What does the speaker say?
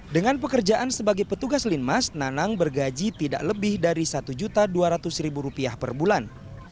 dengan pekerjaan sebagai petugas linmas nanang bergaji tidak lebih dari satu dua ratus per bulan